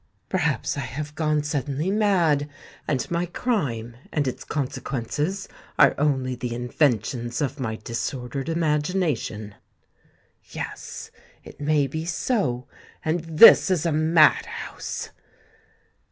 Perhaps I have gone suddenly mad, and my crime and its consequences are only the inventions of my disordered imagination? Yes—it may be so; and this is a mad house!"